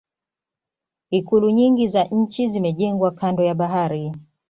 ikulu nyingi za nchi zimejengwa kando ya bahari